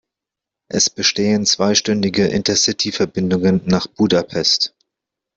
Es bestehen zweistündige Intercity-Verbindungen nach Budapest.